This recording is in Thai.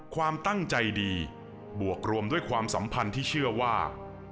ความตั้งใจดีบวกรวมด้วยความสัมพันธ์ที่เชื่อว่า